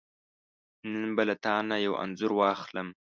نن به له تانه یو انځور واخلم .